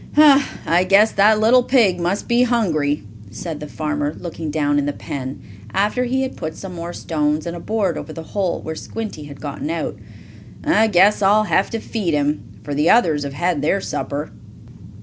"Ha! I guess that little pig must be hungry," said the farmer looking down in the pen, after he had put some more stones and a board over the hole where Squinty had gotten out. "I guess I'll have to feed him, for the others have had their supper."